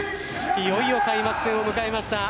いよいよ開幕戦を迎えました。